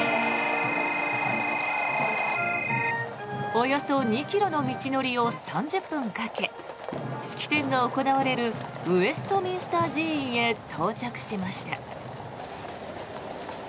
およそ２ｋｍの道のりを３０分かけ式典が行われるウェストミンスター寺院へ到着しました。